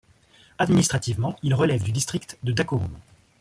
Administrativement, il relève du district de Dacorum.